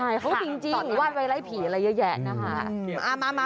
เขาจริงถอดวันไว้ไล่ผีอะไรเยอะแยะนะคะ